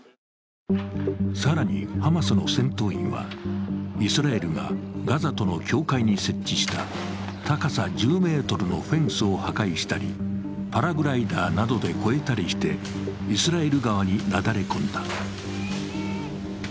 更に、ハマスの戦闘員はイスラエルがガザとの境界に設置した高さ１０ｍのフェンスを破壊したりパラグライダーなどで越えたりしてイスラエル側になだれ込んだ。